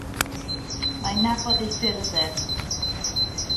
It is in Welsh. Mae'n nabod ei ffyrdd e.